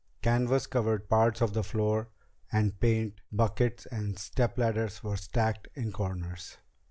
Canvas covered parts of the floor, and paint buckets and stepladders were stacked in corners.